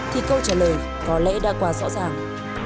thì câu trả lời có lẽ đã quá rõ ràng